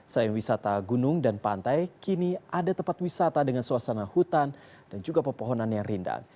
selain wisata gunung dan pantai kini ada tempat wisata dengan suasana hutan dan juga pepohonan yang rindang